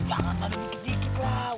jangan taruh dikit dikit lah